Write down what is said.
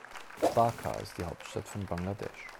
Dhaka ist die Hauptstadt von Bangladesch.